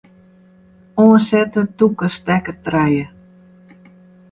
Oansette tûke stekker trije.